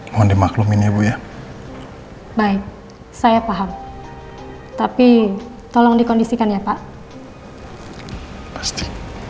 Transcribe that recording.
mohon dimaklum ini ya bu ya baik saya paham tapi tolong dikondisikan ya pak pasti